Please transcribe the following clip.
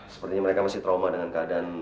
sepertinya mereka masih trauma dengan keadaan